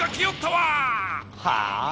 はあ